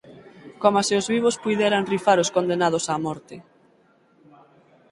Coma se os vivos puideran rifar ós condenados a morte!